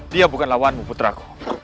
dia bukan lawanmu putraku